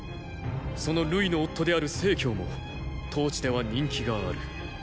その瑠衣の夫である成も当地では人気がある。